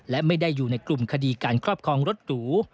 และไม่ได้อยู่ในกลุ่มคดีการครอบครองรถหรู